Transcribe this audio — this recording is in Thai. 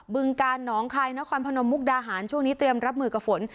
ึงกาลหนองคายนครพนมมุกดาหารช่วงนี้เตรียมรับมือกับฝน